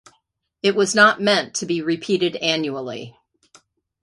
It was not meant to be repeated annually.